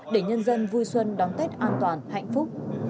để nhân dân vui xuân đón tết an toàn hạnh phúc